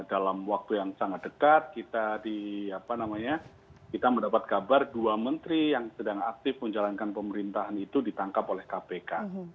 dalam waktu yang sangat dekat kita mendapat kabar dua menteri yang sedang aktif menjalankan pemerintahan itu ditangkap oleh kpk